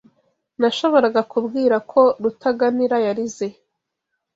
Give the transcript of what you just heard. Nashoboraga kubwira ko Rutaganira yarize.